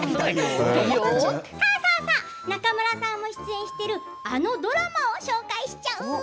中村さんも出演しているあのドラマを紹介しちゃう。